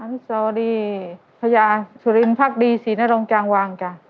อนุสวรีพระยาสุรินทร์ภักดีศรีนรงกลางวางจ้ะ